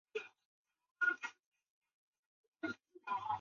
吉林大学法学院毕业。